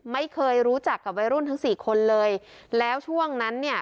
ไม่เคยรู้จักกับวัยรุ่นทั้งสี่คนเลยแล้วช่วงนั้นเนี่ย